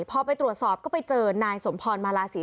พอไปตรวจสอบก็ไปเจอนายสมพรมาลาศรี